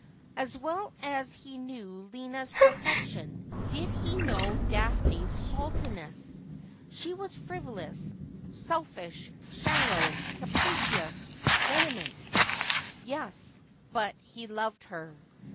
As well as he knew Lina's perfection did he know Daphne's faultiness. She was frivolous, selfish, shallow, capricious, vehement. Yes, but he loved her.